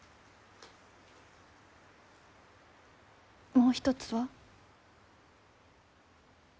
もう一つは？